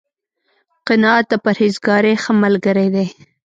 قناعت، د پرهېزکارۍ ښه ملګری دی